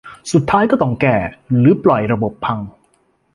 สุดท้ายก็ต้องแก้ หรือปล่อยระบบพัง